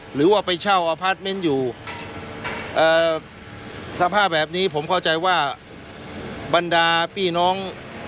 หรือว่าไปเช่าอยู่เอ่อสภาพแบบนี้ผมเข้าใจว่าบรรดาพี่น้อง